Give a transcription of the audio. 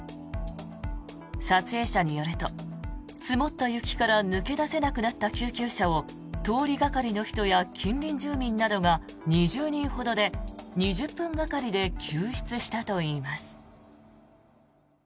撮影者によると、積もった雪から抜け出せなくなった救急車を通りがかりの人や近隣住民などが２０人ほどで、２０分がかりで救出したといいます。